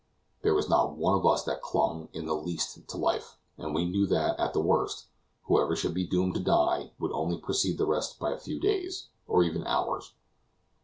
There was not one of us that clung in the least to life; and we knew that, at the worst, whoever should be doomed to die, would only precede the rest by a few days, or even hours.